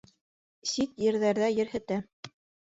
Сит ерҙәрҙә ерһетә